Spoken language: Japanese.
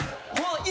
今。